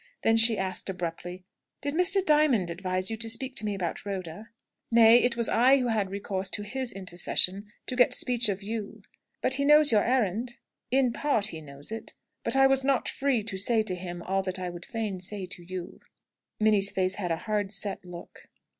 Then she asked, abruptly, "Did Mr. Diamond advise you to speak to me about Rhoda?" "Nay; it was I who had recourse to his intercession to get speech of you." "But he knows your errand?" "In part he knows it. But I was not free to say to him all that I would fain say to you." Minnie's face had a hard set look.